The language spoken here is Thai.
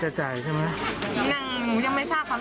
ก็กลัวเหมือนกันครับพี่